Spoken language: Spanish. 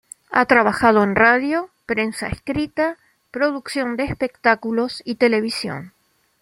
Ha trabajado en radio, prensa escrita, producción de espectáculos y televisión.